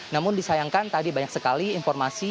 namun disayangkan tadi banyak sekali informasi